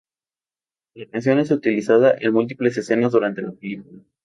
La canción es utilizada en múltiples escenas durante la película.